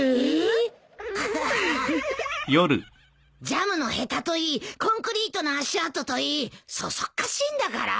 ジャムのへたといいコンクリートの足跡といいそそっかしいんだから。